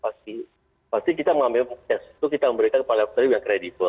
pasti kita mengambil tes itu kita memberikan kolaboratorium yang kredibel